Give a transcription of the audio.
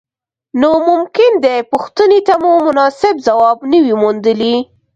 نو ممکن دې پوښتنې ته مو مناسب ځواب نه وي موندلی.